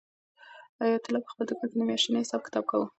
حیات الله په خپل دوکان کې د میاشتې حساب کتاب کاوه.